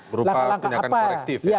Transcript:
berupa tindakan korektif ya